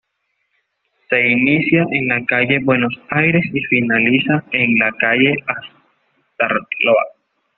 Se inicia en la calle Buenos Aires y finaliza en la calle Astarloa.